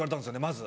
まず。